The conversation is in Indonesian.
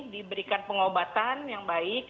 diberikan pengobatan yang baik